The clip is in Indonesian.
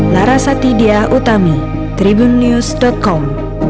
lara satidia utami tribunnews com